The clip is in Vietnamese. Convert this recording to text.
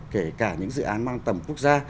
kể cả những dự án mang tầm quốc gia